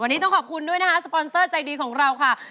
วันนี้ต้องขอบคุณด้วยนะคะสปอนเซอร์ใจดีของเราค่ะ